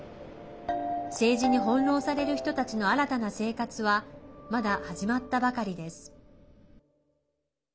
政治に翻弄される人たちの新たな生活はまだ始まったばかりです。